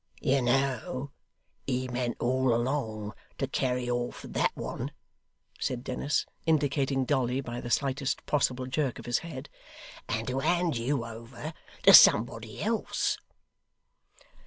'You know he meant all along to carry off that one!' said Dennis, indicating Dolly by the slightest possible jerk of his head: 'And to hand you over to somebody else.